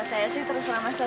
saya malah akan kau